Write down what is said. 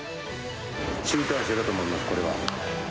集大成だと思います、これは。